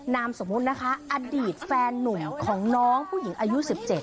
นามสมมุตินะคะอดีตแฟนนุ่มของน้องผู้หญิงอายุ๑๗